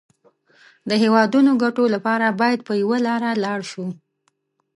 د هېوادنيو ګټو لپاره بايد پر يوه لاره ولاړ شو.